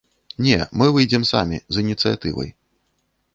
Не, мы выйдзем самі з ініцыятывай.